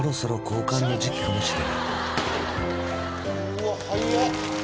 うわ速っ。